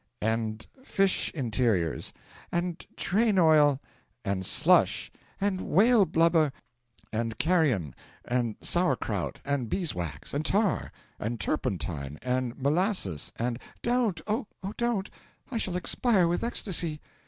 'And fish interiors! ' 'And train oil ' 'And slush! ' 'And whale blubber! ' 'And carrion! and sour krout! and beeswax! and tar! and turpentine! and molasses! and ' 'Don't oh, don't I shall expire with ecstasy!